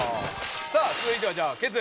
さあ続いてはじゃあケツ。